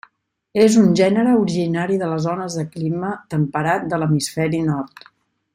És un gènere originari de les zones de clima temperat de l'hemisferi nord.